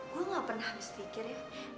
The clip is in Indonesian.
gue gak pernah harus pikir ya